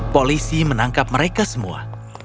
polisi menangkap mereka semua